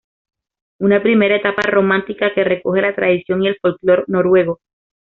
Una primera etapa romántica que recoge la tradición y el folclore noruego.